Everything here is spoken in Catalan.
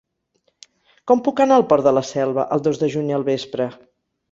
Com puc anar al Port de la Selva el dos de juny al vespre?